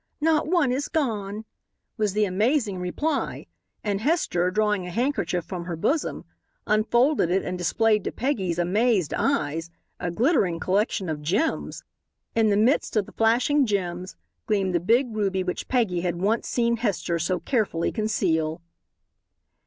Not one is gone," was the amazing reply, and Hester, drawing a handkerchief from her bosom, unfolded it and displayed to Peggy's amazed eyes a glittering collection of gems. In the midst of the flashing gems gleamed the big ruby which Peggy had once seen Hester so carefully conceal.